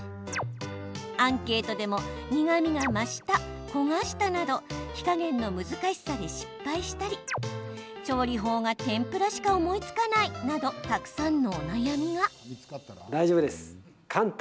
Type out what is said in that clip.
アンケートでも苦みが増した焦がしたなど火加減の難しさで失敗したり調理法が天ぷらしか思いつかないなどたくさんのお悩みが。